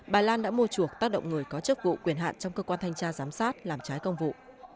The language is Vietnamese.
bà lan đã mua chuộc tác động người có chức vụ quyền hạn trong cơ quan thanh tra giám sát làm trái công vụ